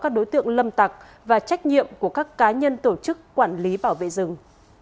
các đối tượng lâm tặc và trách nhiệm của các cá nhân tổ chức quản lý bảo vệ rừng